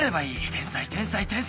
天才天才天才